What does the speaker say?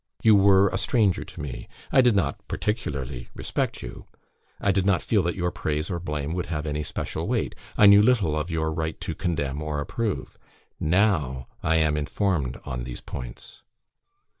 "You were a stranger to me. I did not particularly respect you. I did not feel that your praise or blame would have any special weight. I knew little of your right to condemn or approve. NOW I am informed on these points.